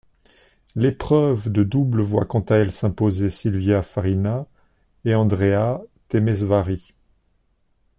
L'épreuve de double voit quant à elle s'imposer Silvia Farina et Andrea Temesvári.